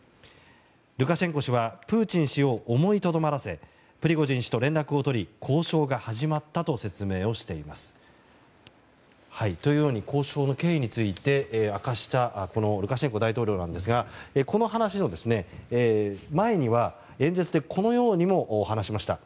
ルカシェンコ氏はプーチン氏を思いとどまらせプリゴジン氏と連絡を取り交渉が始まったと説明をしています。というように交渉の経緯について明かしたルカシェンコ大統領なんですがこの話の前には演説でこのようにも話しました。